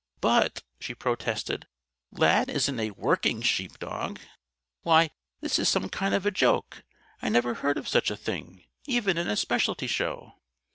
_' But," she protested, "Lad isn't a 'working' sheepdog! Why, this is some kind of a joke! I never heard of such a thing even in a Specialty Show."